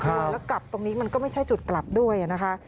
แล้วกลับตรงนี้มันก็ไม่ใช่จุดกลับด้วยนะคะ